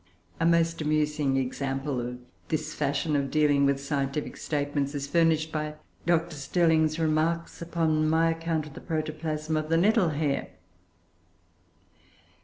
A most amusing example of this fashion of dealing with scientific statements is furnished by Dr. Stirling's remarks upon my account of the protoplasm of the nettle hair.